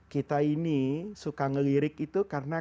kita ini suka ngelirik itu karena